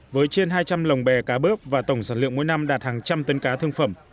với trên hai trăm linh lồng bè cá bớp và tổng sản lượng mỗi năm đạt hàng trăm tấn cá thương phẩm